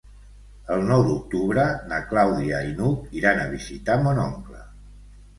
El nou d'octubre na Clàudia i n'Hug iran a visitar mon oncle.